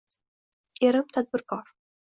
Erim tadbirkor.